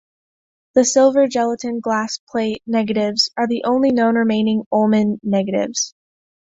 The silver gelatin glass plate negatives are the only known remaining Ulmann negatives.